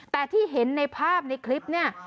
แต่ที่เห็นในภาพในคลิปเนี่ย